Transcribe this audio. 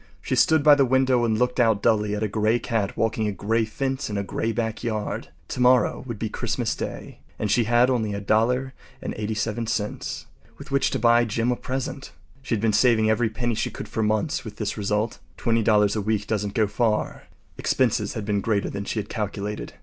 She stood by the window and looked out dully at a gray cat walking a gray fence in a gray backyard. Tomorrow would be Christmas Day, and she had only $1.87 with which to buy Jim a present. She had been saving every penny she could for months, with this result. Twenty dollars a week doesn’t go far. Expenses had been greater than she had calculated.